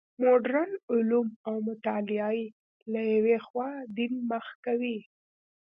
مډرن علوم او مطالعې له یوې خوا دین مخ کوي.